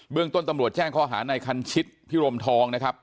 เรื่องต้นตำรวจแจ้งข้อหาในคันชิตพิรมทองนะครับ